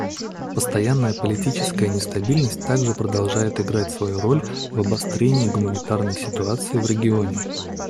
Постоянная политическая нестабильность также продолжает играть свою роль в обострении гуманитарной ситуации в регионе.